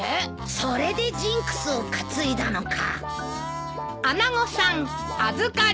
それでジンクスを担いだのか。